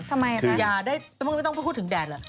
ทำไมน่ะคืออย่าได้มึงไม่ต้องพูดถึงแดดล่ะ